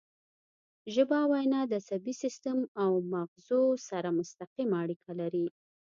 ژبه او وینا د عصبي سیستم او مغزو سره مستقیمه اړیکه لري